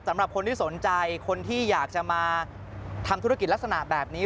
สำหรับคนที่สนใจคนที่อยากจะมาทำธุรกิจลักษณะแบบนี้